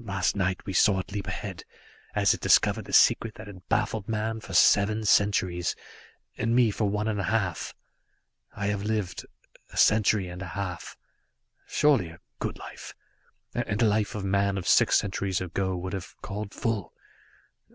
Last night we saw it leap ahead, as it discovered the secret that had baffled man for seven centuries, and me for one and a half. I have lived a century and a half. Surely a good life, and a life a man of six centuries ago would have called full.